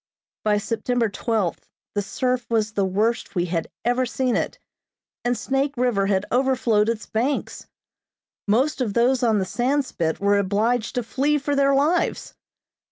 By September twelfth the surf was the worst we had ever seen it, and Snake River had overflowed its banks. Most of those on the Sandspit were obliged to flee for their lives.